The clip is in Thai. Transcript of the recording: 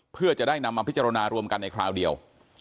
เพื่อจะได้นำมาพิจารณารวมกันในคราวเดียว